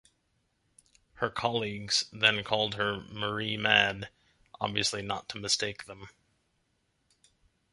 Her colleagues then called her Marie Mad obviously not to mistake them.